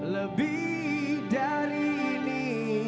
lebih dari ini